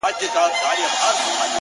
دا ستاد كلـي كـاڼـى زمـا دوا ســـوه ـ